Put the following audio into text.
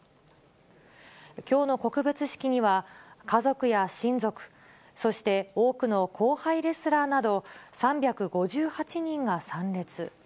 きょうの告別式には、家族や親族、そして多くの後輩レスラーなど、３５８人が参列。